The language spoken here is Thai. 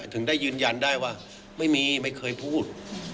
ถึงได้ยืนยันได้ว่าไม่มีไม่เคยพูด